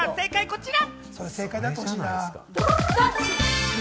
こちら。